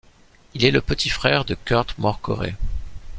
Il est le petit frère de Kurt Mørkøre.